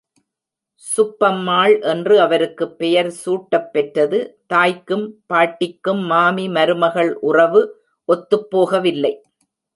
சுப்பம்மாள் என்று அவருக்குப் பெயர் சூட்டப் பெற்றது.தாய்க்கும் பாட்டிக்கும் மாமி, மருமகள் உறவு ஒத்துப் போகவில்லை.